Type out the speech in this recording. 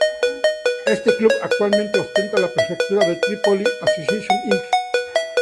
Este club actualmente ostenta la Prefectura de Tripoli Association Inc.